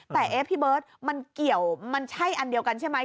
แต่เอ๊ะพี่เบิร์ตมันเกี่ยวมันใช่อันเดียวกันใช่ไหม